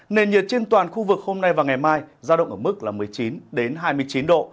nền nhiệt trên toàn khu vực hôm nay và ngày mai giao động ở mức là một mươi chín hai mươi chín độ